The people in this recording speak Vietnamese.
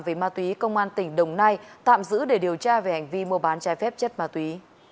về ma túy công an tỉnh đồng nai tạm giữ để điều tra về hành vi mua bán trái phép chất ma túy